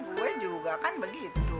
gue juga kan begitu